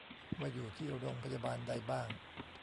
ว่าอยู่ที่โรงพยาบาลใดบ้าง